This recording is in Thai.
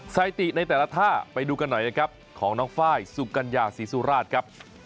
สถิติในแต่ละท่าไปดูกันหน่อยนะครับของน้องไฟล์สุกัญญาศรีสุราชครับ